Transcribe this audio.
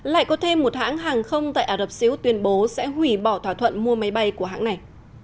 lại có thêm một hãng hàng không tại ả rập xê út tuyên bố sẽ hủy bỏ thỏa thuận mua máy bay của hãng này